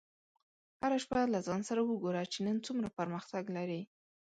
هره شپه له ځان سره وګوره چې نن څومره پرمختګ لرې.